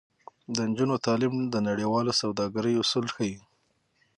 د نجونو تعلیم د نړیوال سوداګرۍ اصول ښيي.